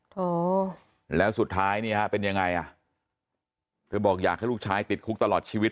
โถแล้วสุดท้ายเนี่ยฮะเป็นยังไงอ่ะเธอบอกอยากให้ลูกชายติดคุกตลอดชีวิต